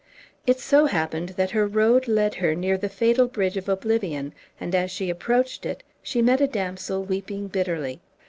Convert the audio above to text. It so happened that her road led her near the fatal bridge of Oblivion, and as she approached it she met a damsel weeping bitterly.